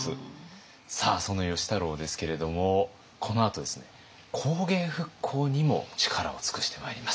さあその芳太郎ですけれどもこのあとですね工芸復興にも力を尽くしてまいります。